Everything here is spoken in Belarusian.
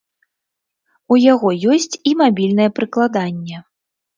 У яго ёсць і мабільнае прыкладанне.